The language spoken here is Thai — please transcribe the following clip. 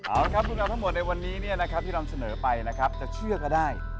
เอาครับเรื่องราวทั้งหมดในวันนี้ที่เราเสนอไปนะครับจะเชื่อก็ได้